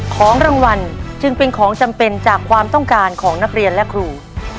ของรางวัลจึงเป็นของจำเป็นจากความต้องการของนักเรียนและครู